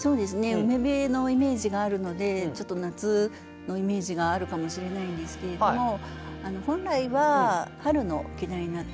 海辺のイメージがあるのでちょっと夏のイメージがあるかもしれないんですけれども本来は春の季題になってます。